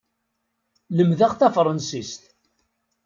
Lemdeɣ tafṛansist.